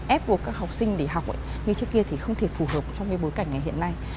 ép buộc các học sinh để học như trước kia thì không thể phù hợp trong cái bối cảnh ngày hiện nay